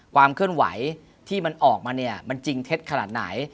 ความเคลื่อนไหวที่มันออกมาเนี่ยมันจริงเท็จขนาดไหน